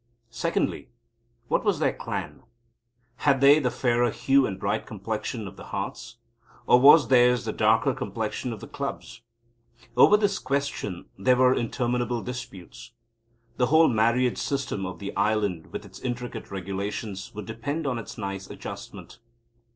Secondly, what was their clan? Had they the fairer hue and bright complexion of the Hearts, or was theirs the darker complexion of the Clubs? Over this question there were interminable disputes. The whole marriage system of the island, with its intricate regulations, would depend on its nice adjustment.